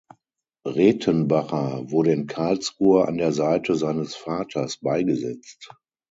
Redtenbacher wurde in Karlsruhe an der Seite seines Vaters beigesetzt.